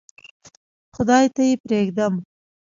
خدای ته یې پرېږدم.